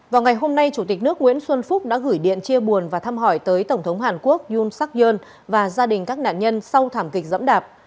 vào ngày hôm nay chủ tịch nước nguyễn xuân phúc đã gửi điện chia buồn và thăm hỏi tới tổng thống hàn quốc yum sắc yoon và gia đình các nạn nhân sau thảm kịch dẫm đạp